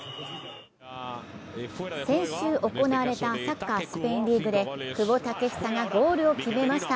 先週行われたサッカー・スペインリーグで久保建英がゴールを決めました。